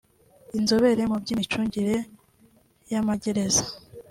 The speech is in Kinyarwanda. n’inzobere mu by’imicungire y’amagereza